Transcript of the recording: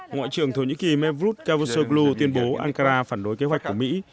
ngoại trưởng thổ nhĩ kỳ mevut cavusoglu tuyên bố ankara phản đối kế hoạch của mỹ